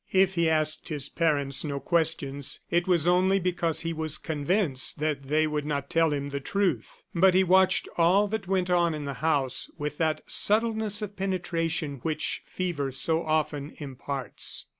If he asked his parents no questions it was only because he was convinced that they would not tell him the truth. But he watched all that went on in the house with that subtleness of penetration which fever so often imparts.